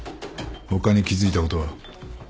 他に気付いたことは？